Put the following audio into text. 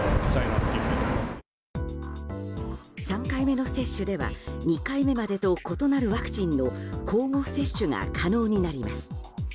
３回目の接種では２回目までと異なるワクチンの交互接種が可能になります。